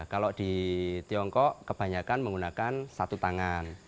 kalau di tiongkok kebanyakan menggunakan satu tangan